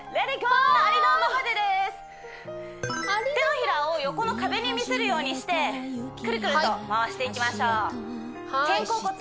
手のひらを横の壁に見せるようにしてくるくると回していきましょう